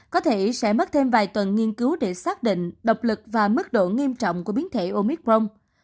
có thể sẽ mất thêm vài tuần nghiên cứu để xác định độc lực và mức độ nghiêm trọng của biến thể omicron